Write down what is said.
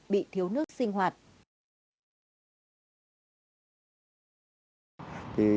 bị thiếu nước sinh hoạt